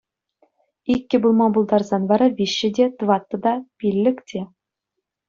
Иккӗ пулма пултарсан вара виҫҫӗ те, тваттӑ та, пиллӗк те...